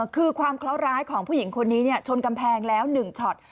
คือความเคราะหร้ายของผู้หญิงคนนี้ชนกำแพงแล้ว๑ช็อต